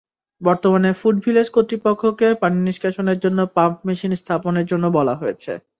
বর্তমানে food village কর্তৃপক্ষকে পানিনিষ্কাশনের জন্য পাম্প মেশিন স্থাপনের জন্য বলা হয়েছে।